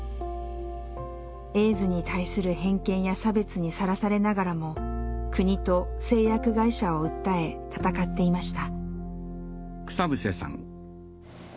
エイズに対する偏見や差別にさらされながらも国と製薬会社を訴え闘っていました。